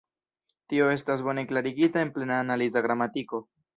Tio estas bone klarigita en Plena Analiza Gramatiko.